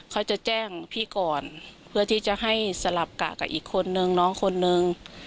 เขาจะแจ้งพี่ก่อนเพื่อที่จะให้สลับกะกับอีกคนนึงน้องคนนึง